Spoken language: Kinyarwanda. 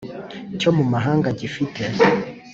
cyo mu mahanga gifite